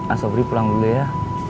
asobri pulang dulu ya